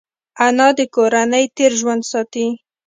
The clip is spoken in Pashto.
انا د کورنۍ تېر ژوند ساتي